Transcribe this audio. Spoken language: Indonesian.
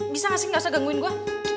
bisa gak sih gak usah gangguin gue